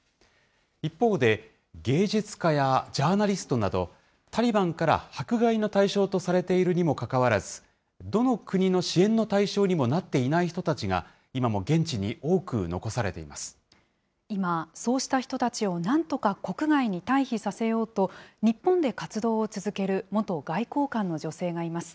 一方で、芸術家やジャーナリストなど、タリバンから迫害の対象とされているにもかかわらず、どの国の支援の対象にもなっていない人たちが、今、そうした人たちをなんとか国外に退避させようと、日本で活動を続ける元外交官の女性がいます。